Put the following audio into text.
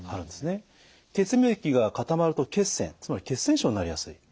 血液が固まると血栓つまり血栓症になりやすい。